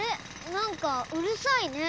なんかうるさいね。